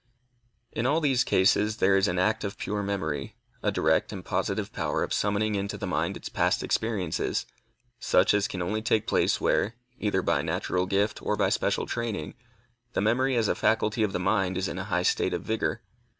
In all these cases, there is an act of pure memory, a direct and positive power of summoning into the mind its past experiences, such as can only take place where, either by natural gift or by special training, the memory as a faculty of the mind is in a high state of vigor.